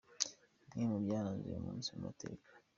Bimwe mu byaranze uyu munsi mu mateka:.